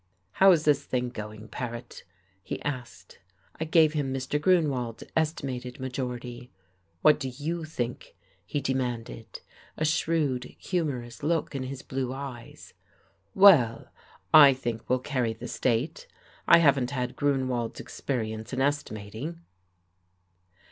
"How is this thing going, Paret?" he asked. I gave him Mr. Grunewald's estimated majority. "What do you think?" he demanded, a shrewd, humorous look in his blue eyes. "Well, I think we'll carry the state. I haven't had Grunewald's experience in estimating."